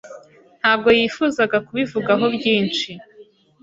Ntabwo yifuzaga kubivugaho byinshi.